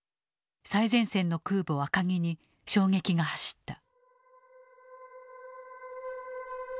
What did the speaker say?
最前線の空母赤城に衝撃が走った。